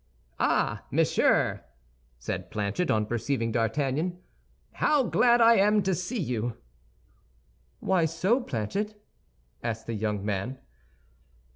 "Ah, monsieur," said Planchet, on perceiving D'Artagnan, "how glad I am to see you." "Why so, Planchet?" asked the young man.